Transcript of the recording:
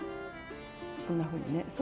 こんなふうにね。